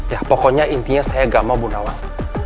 ya pokoknya intinya saya gak mau bu nawang